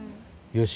よし。